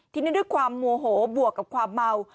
ทีนี้ด้วยความโมโหบวกกับความเมา